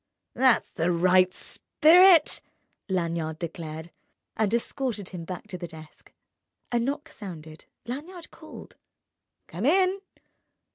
"That's the right spirit!" Lanyard declared, and escorted him to the desk. A knock sounded. Lanyard called: "Come in!"